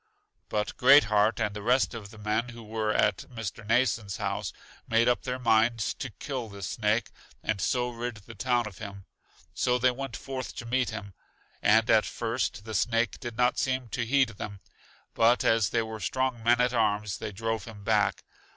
But Great heart and the rest of the men who were at Mr. Mnason's house, made up their minds to kill this snake, and so rid the town of him. So they went forth to meet him, and at first the snake did not seem to heed them; but as they were strong men at arms, they drove him back.